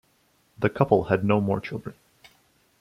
The couple had no more children.